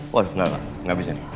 waduh enggak enggak bisa nih